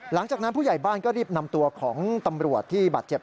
หลังจากนั้นผู้ใหญ่บ้านก็รีบนำตัวของตำรวจที่บาดเจ็บ